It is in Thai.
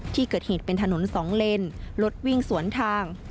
ที่เกิดเหตุเป็นถนนสองเลนรถวิ่งสวนทาง